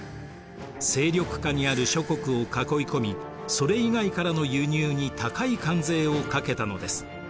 勢力下にある諸国を囲い込みそれ以外からの輸入に高い関税をかけたのです。